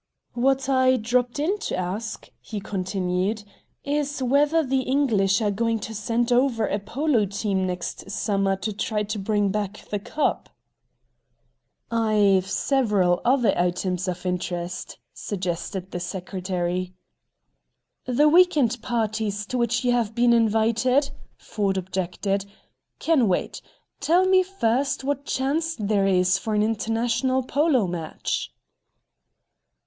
"What I dropped in to ask," he continued, "is whether the English are going to send over a polo team next summer to try to bring back the cup?" "I've several other items of interest," suggested the Secretary. "The week end parties to which you have been invited," Ford objected, "can wait. Tell me first what chance there is for an international polo match."